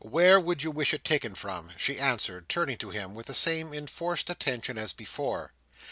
Where would you wish it taken from?" she answered, turning to him with the same enforced attention as before.